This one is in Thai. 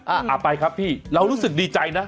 เอาไปครับพี่เรารู้สึกดีใจนะ